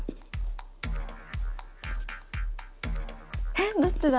えっどっちだ？